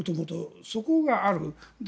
そこがある。